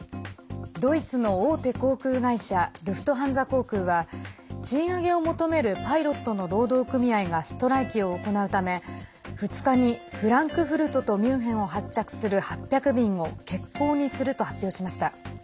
ドイツの大手航空会社ルフトハンザ航空は賃上げを求めるパイロットの労働組合がストライキを行うため２日にフランクフルトとミュンヘンを発着する８００便を欠航にすると発表しました。